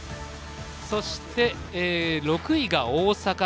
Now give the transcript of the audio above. そして、６位が大阪。